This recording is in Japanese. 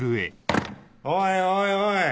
おいおいおい！